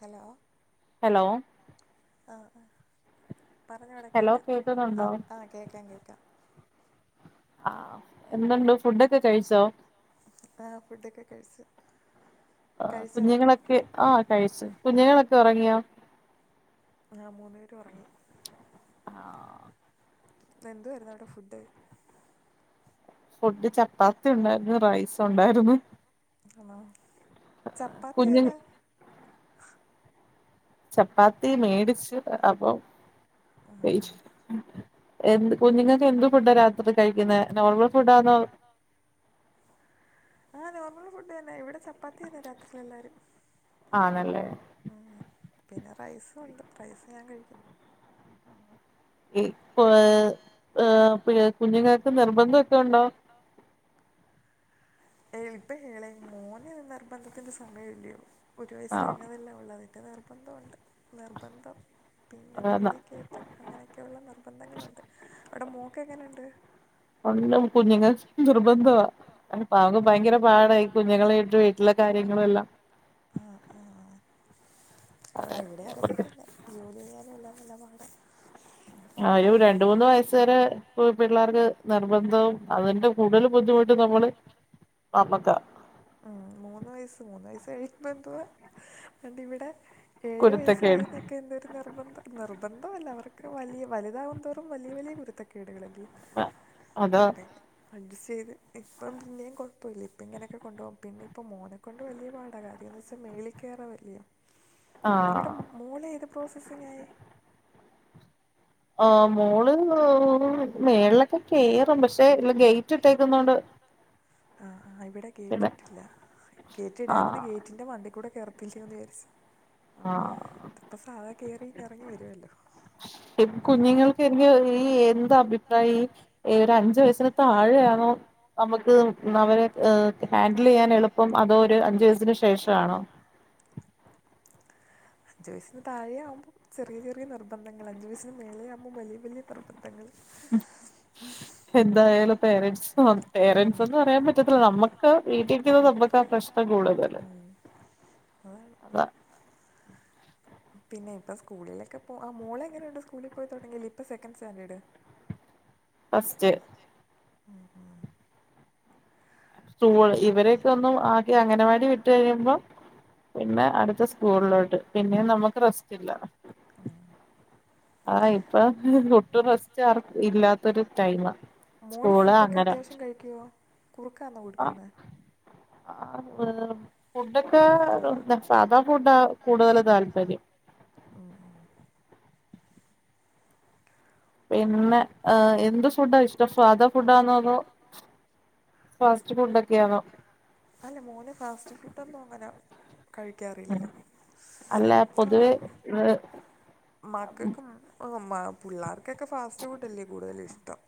Hello hello ആഹ് പറഞ്ഞോടെ കേക്കാം ആഹ് ആഹ് കേക്കാം കേക്കാം ആഹ് എന്തുണ്ട് ഫുഡൊക്കെ കഴിച്ചോ ആ ഫുഡൊക്കെ കഴ്ച്ചു ആ കുഞ്ഞുങ്ങളൊക്കെ ആ കഴിച്ചു കുഞ്ഞുങ്ങളൊക്കൊറങ്ങിയോ ആഹ് മൂന്ന് പേര് ഒറങ്ങി എന്തു വരുന്നടെ ഫുഡ് ഫുഡ് ചപ്പാത്തി ഉണ്ടായിരുന്നു റൈസ് ഉണ്ടായിരുന്നു ആണോ ചപ്പാത്തി ആരാ ചപ്പാത്തി മേടിച്ച് അപ്പം എന്ത് കുഞ്ഞുങ്ങക്ക് എന്ത് ഫുഡാ രാത്രി കഴിക്കുന്നെ നോർമൽ ഫുഡാന്നോ ആഹ് നോർമൽ ഫുഡ് തന്നെ ഇവിടെ ചപ്പാത്തി തന്നെ രാത്രിയിലല്ലാരും ആണല്ലേ പിന്നെ റൈസുണ്ട് റൈസ് ഞാൻ കഴിക്കും ഈ ഏഹ് ഏഹ് പിന്നെ ഏഹ് കുഞ്ഞുങ്ങാക്ക് നിർബന്ധൊക്കെ ഉണ്ടോ ഏഹ് പ്പ ഏളയ മോന് നിർബന്ധത്തിന്റെ സമയമ ഇല്ലയോ ഒരു വയസ്സ് കഴിഞ്ഞതല്ലേ ഉള്ളത് നിർബന്ധമുണ്ട് നിർബന്ധം പിന്നെ മേളിക്കയറ്റം അങ്ങനെയൊക്കെയുള്ള നിർബന്ധങ്ങളുണ്ട് അവിടെ മോക്ക് എങ്ങനെയുണ്ട് ഒന്നാ കുഞ്ഞങ്ങൾ നിർബന്ധവാ അപ്പൊ ഭയങ്കര പാടാ യീ കുഞ്ഞുങ്ങളെ യിട്ട് വീട്ടിലെ കാര്യങ്ങളും എല്ലാം ആഹ് ആഹ് ആഹ് ഇവിടെ അതൊക്ക തന്നെ ജോലി ചെയ്യാനും എല്ലാം നല്ല പാടാ ആഹ് ഒരു രണ്ട് മൂന്ന് വയസ് വരെ പിള്ളേർക്ക് നിർബന്ധവും അതിന്റെ കൂടുതൽ ബുദ്ധിമുട്ടും നമ്മള് ആഹ് മൂന്ന് വയസ്സ്‌ മൂന്ന് കഴിഞ്ഞപ എന്തുവാ [unintelligible] ഇവിടെ ഏഴ് വയസ്സാകട്ടെ എന്ത നിർബന്ധ നിർബന്ധം അല്ല അവർക്ക് വലിയ വലുതാകും തോറും വലിയ വലിയ കുരുത്തകേടുകളല്ലേ ആഹ് അതാ അഡ്ജസ്റ്റ് ചെയ്ത് ഇപ്പം പിന്നേ കുഴപ്പല്ല ഇപ്പ ഇങ്ങനെയൊക്കെ കൊണ്ട് പോകും പിന്നെപ്പോ മോനെ കൊണ്ട് വല്ല്യ പാടാ കാര്യംന്താ വെച്ചാ മേലി ക്കേറാൻവരില്ലേ. അവിടെ മോള്ഏത് പ്രോസസിംഗ് ആയി? ആഹ് മോള് മേളിലൊക്കെ കയറും പക്ഷേ ഗേറ്റ് ഇട്ടേക്കുന്നോണ്ട് ആഹ് ആഹാ ഇവിടെ ഗേറ്റ് ഇട്ടില്ല. ഗേറ്റ് ഇടാഞ്ഞത് ഗേറ്റിന്റെ മണ്ടേ കൂടെ കയർത്തില്ലയോന്ന് വിചാരിച്ചു. തിപ്പോ സാധാ കേറി ഇങ്ങ് ഇറങ്ങി വരുമല്ലോ. ഈ കുഞ്ഞുങ്ങൾക്ക് എനി ഈ എന്ത അഭിപ്രായം ഈ ഏഴര അഞ്ച് [unintelligible] വയസ്സിന് താഴെയാണോ? നമ്മക്ക് അവരെ ഹാൻഡിൽ ചെയ്യാൻ എളുപ്പം അതോ ഒരു അഞ്ചുവയസിന് ശേഷാണോ? അഞ്ച് വയസ്സിന് താഴെയാകുമ്പോ ചെറിയ ചെറിയ നിർബന്ധങ്ങള് അഞ്ച് വയസ്സിന് മേലേ ആകുമ്പോ വലിയ വലിയ നിർബന്ധ പെങ്ങള് എന്തായാലും പേരൻസ് പേരൻ സെന്നു പറയാൻ പറ്റത്തില്ല നമ്മുക്ക് വീട്ടിലിരിക്കുന്ന നമ്മുക്കാ പ്രശ് ക്കം കൂടുതല് പിന്നെ ഇപ്പം സ്കളിലക്കെ ആ മോളെങ്ങനുണ്ട് സ്കൂളിൽ പോയി തുടങ്ങിയില്ലേ ഇപ്പൊ സെക്കന്റ് സ്റ്റാൻഡേർഡ് ഫസ്റ്റ് ഉം ഉം [unintelligible] ഇവരൊക്കെ ഒന്നും ആക്കി അംഗനവാടി വിട്ടുകഴിയുമ്പം പിന്നെ അടുത്ത സ്കൂളിലോട്ട് പിന്നെ നമുക്ക് റെസ്റ്റ്ല്ല. ആഹ് ആഹ് ഇപ്പൊ ഒട്ടും റെസ്റ്റ് ആർക്കും ഇല്ലാത്തൊരു ടൈമാ സ്കൂള് അങ്ങനെ ക്കെയോ കുറുക്കാന്നോ കൊടുക്കുന്നത്? [unintelligible] ഫുഡൊക്കെ സാധാ ഫുഡാ കൂടുതൽ താല്പര്യം ഉം പിന്നെ ഏ എന്ത് ഫുഡാ ഇഷ്ടം സാധാ ഫുഡാണോ. അതോ ഫാസ്റ്റ് ഫുഡ് ഒക്കെയാണോ? അല്ല മോന് ഫാസ്റ്റ് ഫുഡ് ഒന്നും അങ്ങനെ ഉം അല്ല പൊതുവേ മക്കൾക്കും ഒ മ്മാ പിള്ളേർക്കൊക്കെ ഫാസ്റ്റ് ഫുഡ്ല്ലേ കൂടുതല് ഇഷ്ടം.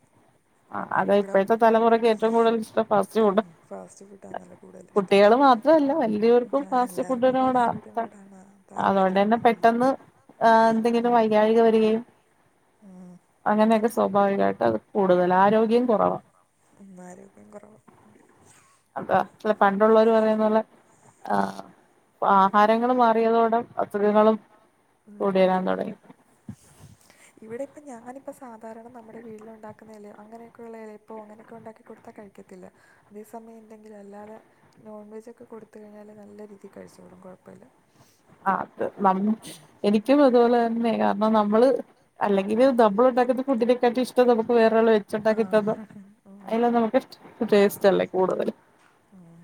ആഹ് അതെ ഇപ്പഴത്തെ തലമുറക്ക് ഏറ്റവും കൂടുതൽ ഇഷ്ടം ഫാസ്റ്റ് ഫുഡാ കുട്ടികള് മാത്രമല്ല വലിയവർക്കും ഫാസ്റ്റ് ഫുഡിനോടാ താ അതുകൊണ്ട് തന്നെ പെട്ടെന്ന് ആഹ് എന്തെങ്കിലും വൈകായിക വരികയും അങ്ങനെയൊക്കെ സ്വാഭാവികമായിട്ട് അത് കൂടു ഉം എന്നാലും ആരോഗ്യം കുറവാ. അതാ അല്ല പണ്ടുള്ളവർ പറയന്നപോലെ ആഹാരങ്ങള് മാറിയതോടെ അസുഖങ്ങളും കൂടി വരാൻ തുടങ്ങി. ഇവിടെ ഇപ്പം ഞാനിപ്പോ സാധാരണ നമ്മുടെ വീട്ടില് ഉണ്ടാക്കുന്ന ഇല അങ്ങനെയൊക്കെയ ഉള്ള ഇലയപ്പോ അങ്ങനെയൊക്കെ ഉണ്ടാക്കി കൊടുത്താൽ കഴിക്കത്തില്ല അതേ സമയം എന്തെങ്കിലും അല്ലാതെ നോൺ വെജൊക്കെ കൊടുത്തു കഴിഞ്ഞാല് നല്ല രീതിൽ കഴിച്ചോളും കുഴപ്പമില്ല. ആഹ് അത് നമ്മ് എനിക്കും ഇതുപോലെ തന്നെ കാരണം നമ്മള് അല്ലെങ്കില് നമ്മൾ ഉണ്ടാക്കുന്ന ഫുഡിനെക്കാട്ടി ഇഷ്ടം നമ്മുക്ക് വേറെ ഒരാള് വെച്ചുണ്ടാക്കി തന്ന അല്ല നമ്മുക്ക് ടേസ്റ്റ് അല്ലേ കൂടുതല്. ഉം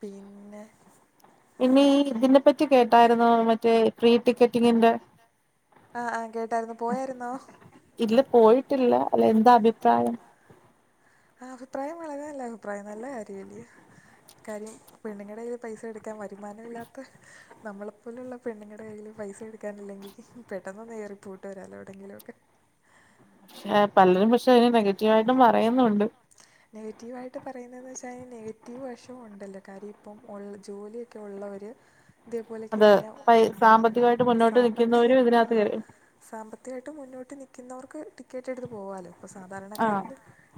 പിന്നെ ഇനി ഇതിനെപ്പറ്റി കേട്ടായിരുന്നു മറ്റേ ഫ്രീ ടിക്കറ്റിങ്ങിന്റെ ആഹ് ആഹ് കേട്ടായിരുന്നു പോയായിരുന്നോ? ക്കില പോയിട്ടില്ല അല്ല എന്താ അഭിപ്രായം? അഭിപ്രായം വളരെ നല്ല അഭിപ്രായം നല്ല കാര്യം അല്ലയോ കാര്യം പെണ്ണുങ്ങടെ കൈയിൽ പൈസ എടുക്കാൻ വരുമാനം ഇല്ലാത്ത നമ്മളെപ്പോലുള്ള പെണ്ണുങ്ങളുടെ കയ്യിൽ പൈസ എടുക്കാനില്ലെങ്കിൽ പെട്ടന്ന് കയറിപ്പോയിട്ട് വരാമല്ലോ എവിടെെങ്കിലുമൊക്കെ പക്ഷേ പലരും പക്ഷെ അതിന് നെഗറ്റീവ് ആയിട്ടും പറയുന്നുണ്ട് നെഗറ്റീവ് ആയിട്ട് പറയുന്നത് എന്നുവെച്ചാൽ നെഗറ്റീവ് വശവും ഉണ്ടല്ലോ കാര്യ ഇപ്പം ഉം ജോലി ജോലിയൊക്കെ ഉള്ളവര് ഇതേപോലെക്ക് തന്നെ സാമ്പത്തികം ആഹ് സാമ്പത്തികമായിട്ട് മുന്നോട്ട് നിക്കുന്നവർക്ക് ടിക്കറ്റ് എടുത്ത് പോകാലോ ഇപ്പൊ സാധാരണക്കാർക്ക്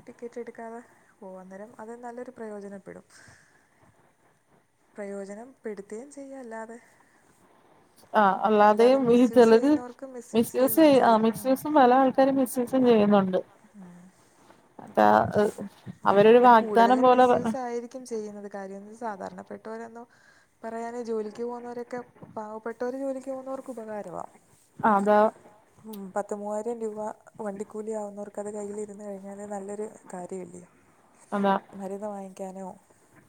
ടിക്കറ്റ് എടുക്കാതെ പോവാം അന്നേരം അത് നല്ലൊരു പ്രയോജനപ്പെടും പ്രയോജനംപ്പെടുത്തുകയും ചെയ്യാ അല്ലാതെ ആഹ് അല്ലാതെ ഈ ചിലര് മിസ് യൂസ് ആഹ് മിസ് യൂസും പല ആൾക്കാരും മിസ് യൂസ് മിസ് യൂസും ചെയ്യുന്നുണ്ട് ആഹ് അതാ അവരൊരു വാഗ്ദാനം പോലെ ക്കും ചെയ്യുന്നത് കാര്യം സാധാരണപ്പെട്ടവരോന്നും പറയാന് ജോലിക്ക് പോകുന്നവരൊക്കെ പാവപ്പെട്ടവര് ജോലിക്ക് പോകുന്നവർക്ക് ഉപകാരമാണ് അതാ ഉം പത്ത് മൂവായിരം രൂപ വണ്ടിക്കൂലി ആവുന്നവർക്കത് കൈയിൽ ഇരുന്ന് കഴിഞ്ഞാൽ നല്ലൊരു കാര്യമല്ലേ അതാ മരുന്ന് വാങ്ങിക്കാനോ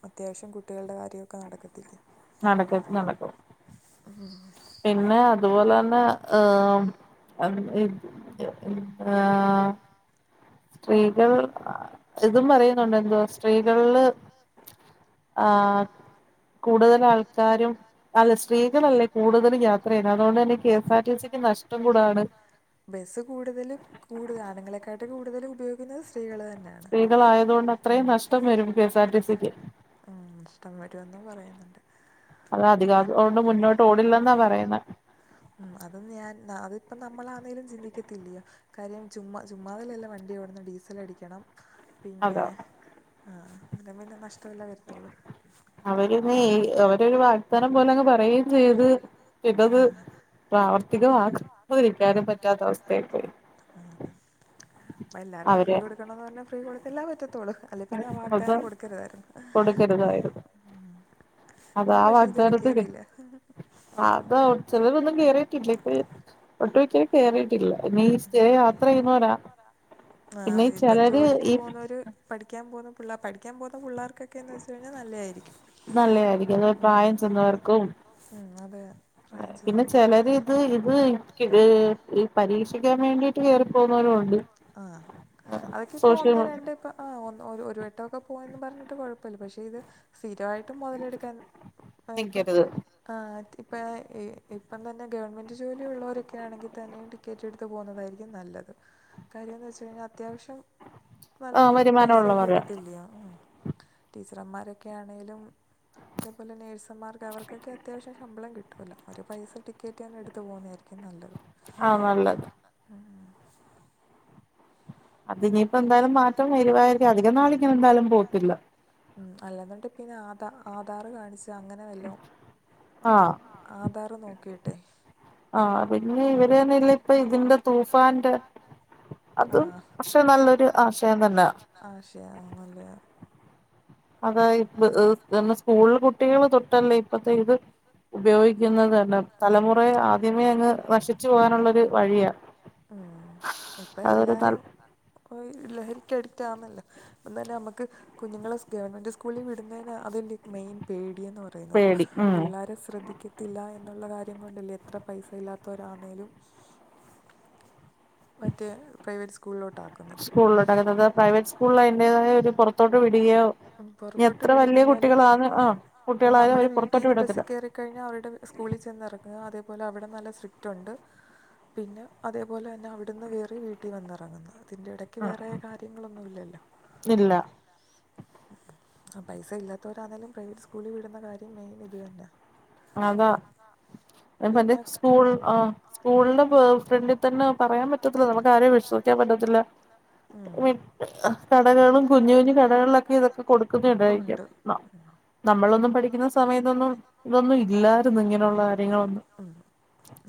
അത്യാവശ്യം കുട്ടികളുടെ കാര്യമൊക്കെ നടക്കത്തില്ലേ നടക്കും നടക്കും ഉം പിന്നെ അതുപോലെ തന്നെ ആഹ് സ്ത്രീകൾ ഇതും പറയുന്നുണ്ട് എന്തുവാ സ്ത്രീകളില് ആഹ് കൂടുതൽ ആൾക്കാരും അല്ല സ്ത്രീകളല്ലേ കൂടുതലും യാത്ര ചെയ്യണത് അതുകൊണ്ട് തന്നെ കെഎസ്ആർ ടി സിക്ക് നഷ്ടം കൂടാണ് ബസ്സ് കൂടുതലും കൂടുതൽ ആണുങ്ങളെക്കാളും കൂടുതലും ഉപയോഗിക്കുന്നത് സ്ത്രീകൾ തന്നെ സ്ത്രീകളായതുകൊണ്ട് അത്രയും നഷ്ടം വരും കെ എസ് ആർ ടി സിക്ക് ആഹ് നഷ്ടം വരുമെന്ന് പറയുന്നുണ്ട് അത് അധികം അതോണ്ട് മുന്നോട്ട് ഓടില്ലെന്നാ പറയുന്നത് ഉം അത് ഞാൻ അതിപ്പോ നമ്മളാണേലും ചിന്തിക്കത്തില്ലയോ കാര്യം ചുമ്മാ ചുമ്മാതല്ലല്ലോ വണ്ടി ഓടന്നു ഡിസൽ ഡിസൽ അടിക്കണം പിന്നെ ആഹ് അന്നരം പിന്നെ നഷ്ടമല്ലേ വരുത്തോളു അവര് ഇനി അവര് ഒരു വാഗ്ദാനം പോലെങ്ങ് പറയുകയും ചെയ്ത് പിന്നത് പ്രാവർത്തികം ആക്കാനും വ നിൽക്കാനും പറ്റാത്ത അവസ്ഥയായി അപ്പ എല്ലാർക്കും ഫ്രീ കൊടുക്കണം എന്ന് പറഞ്ഞ ഫ്രീ കൊടുത്തല്ല പറ്റത്തോളൂ അല്ലേൽ പിന്നെ വാഗ്ദാനം കൊടുക്കരുതായിരുന്നു അതാ വാഗ്ദാനത്തി കി അതാ ചിലരൊന്നും കേറിട്ടില്ല ഇപ്പഴും ഒട്ടു മിക്കവരും കേറിയിട്ടില്ല ഇനി ഈ സ്ഥിര യാത്ര ചെയ്യുന്നവരാ ആഹ് ഇപ്പം ജോലിക്ക് പോകുന്നവര് പഠിക്കാൻ പോകുന്ന പിള്ളേര് പഠിക്കാൻ പോവുന്ന പിള്ളേർക്ക് ക്കെക്കെ എന്ന് വെച്ചു കഴിഞ്ഞാൽ നല്ലതായിരിക്കും ഉം അതെ പ്രായം ചെന്നവർക്ക് ഒക്കെ നല്ലയാ ഉം ഇത് പരീക്ഷിക്കാൻ വേണ്ടിട്ട് കേറിപ്പോകുന്നവരും ഉണ്ട് അതൊക്കെ ഇപ്പൊ ഒന്ന് രണ്ടു ആഹ് ഒന്ന് ഒരു വട്ടൊക്കെ പോയെന്ന് പറഞ്ഞിട്ട് കുഴപ്പമില്ല പക്ഷേ ഇത് സ്ഥിരമായിട്ടും മുതലെടുക്കാൻ ആയപ്പോ ആഹ് ഇപ്പ ഇപ്പം തന്നെ ഗവൺമെന്റ് ജോലി ഉള്ളോര് ആണെങ്കിൽ തന്നെയും ടിക്കറ്റ് എടുത്ത് പോകുന്നതായിരിക്കും നല്ലത് കാര്യം എന്ന് വെച്ചു കഴിഞ്ഞാൽ അത്യാവശ്യം നല്ല പൈസ കിട്ടത്തില്ലയോ ഉം ടീച്ചർന്മാരൊക്കെ ആണെേലും അതെപോലെ നേഴ്സന്മാർക്ക് അവർക്കൊക്കെ അത്യാവശ്യം ശമ്പളം കിട്ടും ട്ടുല്ലോ അവര് പൈസ ടിക്കറ്റ് തന്നെ എടുത്ത പോന്നതായിരിക്കും നല്ലത് ഉം അത് ഇനിയിപ്പോ എന്തായാലും മാറ്റം വരുവായിരിക്കും അധികം നാളിങ്ങനെ എന്തായാലും പോത്തില്ല ഉം അല്ലന്നണ്ട് പിന്നെ ആധാ ആധാർ കാണിച്ചു അങ്ങനെ വെല്ലോ ആധാറ് നോക്കിട്ടെ ആഹ പിന്നെ ഇവര് തന്നെല്ലെ ഇപ്പൊ ഇതിന്റെ തൂഫാന്റെ അതും പക്ഷെ നല്ലൊരു ആശയം തന്നെയാ ആശയ നല്ലയാ അതായ സ്കൂളിൽ കുട്ടികള് തൊട്ടല്ലേ ഇപ്പത്തെ ഇത് ഉപയോഗിക്കുന്നത് തന്നെ തലമുറയെ ആദ്യമേ അങ്ങ് നശിച്ചു പോകാനുള്ളൊരു വഴിയാ ഉം ഇപ്പൊ എല്ലാരും ഓ ലഹരിക്ക് അഡിറ്റ് ആന്നല്ലോ ഒ തന്നെ നമുക്ക് കുഞ്ഞുങ്ങളെ ഗവൺമെന്റ് സ്കൂളിൽ വിടുന്നതിന് അതില്ലെ മെയിൻ പേടിയന്ന് പറയുന്നത് പിള്ളോരെ ശ്രദ്ധിക്ക ത്തില്ല എന്നുള്ള കാര്യം കൊണ്ടല്ലേ എത്ര പൈസ ഇല്ലാത്തോരാന്നേലും മറ്റേ പ്രൈവറ്റ് സ്കൂളിലോട്ട് ആക്കും സ്കൂളിലോട്ട് ആക്കുന്നത് പ്രൈവറ്റ് സ്കൂളിൽ അതിന്റെതായ ഒരു പുറത്തോട്ട് വിടുകയോ ഇനി എത്ര വലിയ കുട്ടികളാണ് ആഹ് കുട്ടികളായാലും അവര് പുറത്തോട്ട് വിടത്തില്ല കഴിഞ്ഞാൽ അവരുടെ സ്കൂളിൽ ചെന്നിറങ്ങുക അതേപോലെ അവിടെ നല്ല സ്ട്രിക്റ്റ് ഉണ്ട് പിന്നെ അതേപോലെ തന്നെ അവിടുന്ന് കേറി വീട്ടിൽ വന്നിറങ്ങുന്നത് അതിന്റെ ഇടയ്ക്ക് വേറെ കാര്യങ്ങളൊന്നും ഇല്ലല്ലോ ഇല്ല ആഹ് പൈസ ഇല്ലാത്തോരാന്നേലും പ്രൈവറ്റ് സ്കൂളിൽ വിടുന്ന കാര്യം മെയിൻ ഇത് തന്നാ അതാ ഇപ്പ എന്റെ സ്കൂൾ ആ സ്കൂളിന്റെ ഫ്രണ്ടിൽ തന്നെ പറയാൻ പറ്റത്തില്ല നമുക്ക് ആരെയും വിശ്വസിക്കാൻ പറ്റത്തില്ല വിട്ട കടകളും കുഞ്ഞി കുഞ്ഞി കടകളിലൊക്കെ ഇതൊക്കെ കൊടുക്കും [unintelligible] നമ്മളൊന്നും പഠിക്കുന്ന സമയത്തൊന്നും ഇതൊന്നും ഇല്ലായിരുന്നു ഇങ്ങനെയുള്ള കാര്യങ്ങളൊന്നും ഉം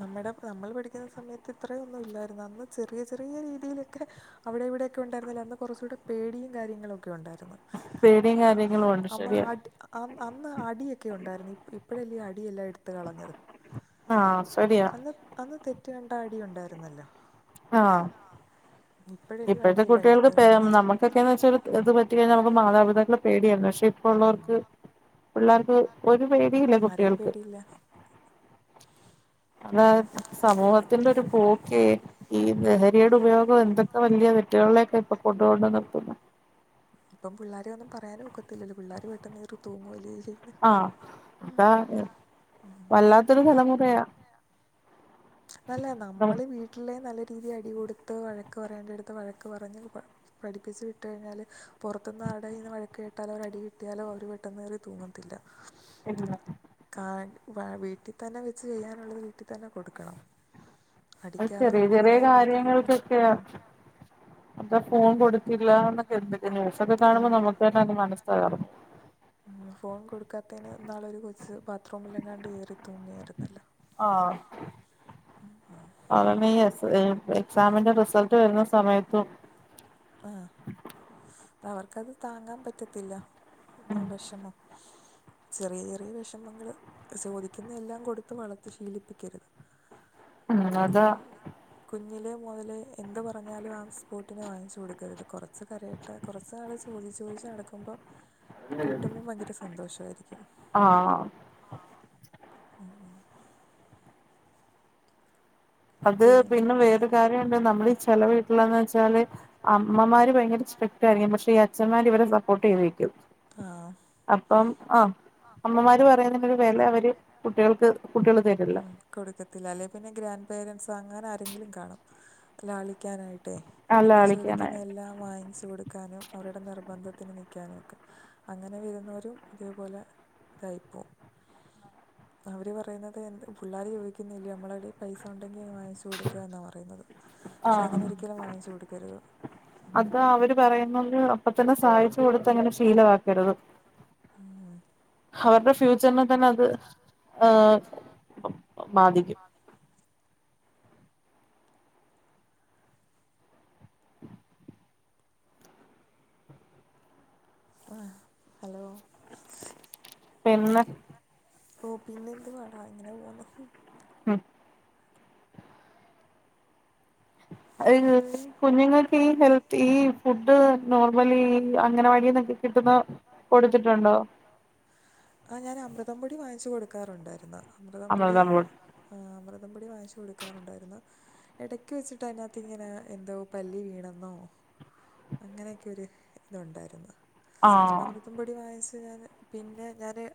നമ്മുടെ നമ്മൾ പഠിക്കുന്ന സമയത്ത് ഇത്രയൊന്നും ഇല്ലായിരുന്നു അന്ന് ചെറിയ ചെറിയ രീതിയിലൊക്കെ അവിടേം ഇവിടെയൊക്കെ ഉണ്ടായിരുന്നേലും അന്ന് കുറച്ചുകൂടെ പേടിയും കാര്യങ്ങളൊ ഒക്കെ ഉണ്ടായിരുന്ന് പേടിയും കാര്യ അന്ന് അടി അന്ന് അടിയൊക്കെ ഉണ്ടായിരുന്നു ഇപ്പഴല്ലേ അടിയെല്ലാം എടുത്ത് കളഞ്ഞത് [unintelligible] അന്ന് അന്ന് തെറ്റ് കണ്ടാ അടി ഉണ്ടായിരുന്നല്ലോ ആഹ ഇപ്പഴല്ലിയൊ അടിയെല്ലാം എടുത്ത കളഞ്ഞത് ഇതൊക്കെയന്ന് വെച്ചാൽ ഇത് പറ്റി കഴിഞ്ഞാൽ നമക്ക് മാതാപിതാക്കള പേടിയായിരുന്ന് പക്ഷെ ഇപ്പ ഉള്ളോർക്ക്‌ പിള്ളാർക്ക് ഒരു പേടിയും ഇല്ല കുട്ടികൾക്ക് അതാ സമൂഹത്തിന്റെ ഒരു പോക്കേ ഈ ലഹരിയുടെ ഉപയോഗം എന്തൊക്കെ വലിയ തെറ്റുകളിലേക്ക ഇപ്പൊ കൊണ്ടൊന്ന് നിർത്തുന്നേ ഇപ്പം പിള്ളോരെ ഒന്നും പറയാനും ഒക്കത്തില്ലോ പിള്ളേർ പെട്ടെന്ന്കേറി തൂങ്ങുവല്ലേ ചെയ്യുന്നേ ആഹ അതാണ് വല്ലാത്തൊരു തലമുറയാ അല്ല നമ്മള് വീട്ടിലെ നല്ല രീതിയില് അടികൊടുത്ത് വഴക്ക് പറയേണ്ട അടുത്ത് വഴക്ക് പറഞ്ഞ് പഠിപ്പിച്ച് വിട്ടുകഴിഞ്ഞാല് പുറത്ത്ന്ന് ആരുടേന്ന് വഴക്ക് കേട്ടാലും ഒരടി കിട്ടിയാലും അവർ പെട്ടെന്ന് കേറി തൂങ്ങത്തില്ല [inaudible] കാ വ വീട്ടിൽ തന്നെ വെച്ച് ചെയ്യാനുള്ളത് വീട്ടിൽ തന്നെ കൊടുക്കണം അത് ചെറിയ ചെറിയ കാര്യങ്ങൾക്കൊക്കെ അതാ ഫോൺ കൊടുത്തില്ലാന്നൊക്കെ എന്തൊക്കെ ന്യൂസൊക്കെ കാണുമ്പോ നമുക്ക് തന്നെ അന്റെ മനസ്സ് [unintelligible] ഫോൺ കൊടുക്കാത്തതിന് ഇന്നാളൊരു കൊച്ച് ബാത്റൂമിലെങ്ങാണ്ട് കേറി തൂങ്ങിയായിരുന്നല്ലോ ആഹ് [unintelligible] എക്സാമിന്റെ റിസൾട്ടു വരുന്ന സമയത്തും ആഹ് അവർക്കതുതാങ്ങാൻ പറ്റത്തില്ല ആ വിഷമം ചെറിയ, ചെറിയ വിഷമങ്ങള് ചോദിക്കുന്നതെല്ലാം കൊടുത്തുവളർത്തി ശീലിപ്പിക്കരുത്. കുഞ്ഞ്, കുഞ്ഞിലെ മുതല് എന്തു പറഞ്ഞാലുമാ സ്പോട്ടിനു വാങ്ങിച്ചു കൊടുക്കരുത്, കുറച്ച് കരയട്ടെ, കുറച്ചുനാള് [unintelligible] ചോദിച്ച് നടക്കുമ്പോൾ കിട്ടുമ്പോൾ ഭയങ്കര സന്തോഷമായിരിക്കും ആഹ് ഉം അതു പിന്നെ വേറെ കാര്യമുണ്ട് നമ്മളീ ചെല വീട്ടിലെന്നുവെച്ചാല് അമ്മമാര് ഭയങ്കര സ്രിക്ടായിരിക്കും, പക്ഷേ ഈയച്ഛന്മാരിവരെ സപ്പോർട്ടുചെയ്തു വയ്ക്കും അപ്പം ആഹ് അമ്മമാരുപറയുന്നന് ഒരു വില അവരു കുട്ടികൾക്ക് കുട്ടികൾ തരോല്ലോ. കൊടുക്കത്തില്ല. അല്ലെ പ്പിന്നെ ഗ്രാൻഡ് പേരൻ്റ്സ് അങ്ങനെയാരെങ്കിലും കാണും ലാളിക്കാനായിട്ടേ. അവരു ചോദിക്കുന്നതെല്ലാം വാങ്ങിച്ചുകൊടു ക്കാനും, അവരുടെ നിർബന്ധത്തിനു നിൽക്കാനുമൊക്കെ, അങ്ങനെ വരുന്നവരും ഇതേപോലെ ഇതായിപ്പോകും അവരു പറയുന്നത് എന്തും, പിള്ളാരു ചോദിക്കുന്നതല്ലേ നമ്മളേല് പൈസായുണ്ടെങ്കി വാങ്ങിച്ചു കൊടുക്കുകയെന്നാ പറയുന്നത് പക്ഷേ അങ്ങനയൊരിക്കലും വാങ്ങിച്ചു കൊടുക്കരുത് അതാ അവരു പറയുന്നത് അപ്പതന്നെ സാധിച്ചു കൊടുത്തങ്ങനെ ശീലമാക്കരുത്. ഉം അവരുടെ ഫ്യൂച്ചറിനെ തന്നെയത്, ആ ബാധിക്കും ആഹ് ആഹ് ഹലോ പിന്നെ ഓ പിന്നെയെന്തുവാടാ യിങ്ങനെപോന്നു ഉം [inaudible] കുഞ്ഞുങ്ങൾക്കീ ഹെൽത്തീ ഫുഡ് നോർമലി അംഗനവാടിയിൽ നിന്നൊക്കെ കിട്ടുന്ന കൊടുത്തിട്ടുണ്ടോ? ആഹ് ഞാനമൃതംപൊടി വാങ്ങിച്ചുകൊടുക്കാറുണ്ടായിരുന്നു. അമൃതംപൊടി ആഹ് അമൃതംപൊടി വാങ്ങിച്ചു കൊടുക്കാറുണ്ടായിരുന്നു. എടയ്ക്കുവെച്ചിട്ട് അതിനകത്തിങ്ങനെ എന്തോ പല്ലി വീണെന്നോ അങ്ങനെയൊക്കെയൊരു ഇതുണ്ടായിരുന്നു. ആഹ് അമൃതം പൊടി വാങ്ങിച്ചു ഞാന് പിന്നെ ഞാന്